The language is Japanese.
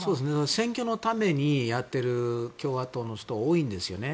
選挙のためにやっている共和党の人は多いんですね。